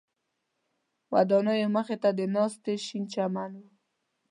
ودانیو مخ ته د ناستي شین چمن و.